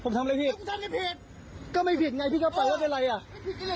ผมทำอะไรผิดก็ไม่ผิดไงพี่กำลังไปว่าเป็นอะไร